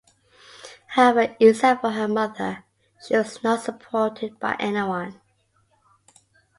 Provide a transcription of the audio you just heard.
However, except for her mother, she was not supported by anyone.